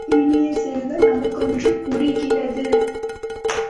இனிய செல்வ, நமக்கொன்று புரிகிறது.